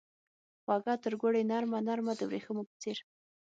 خوږه ترګوړې نرمه ، نرمه دوریښمو په څیر